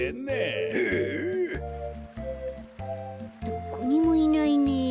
どこにもいないね。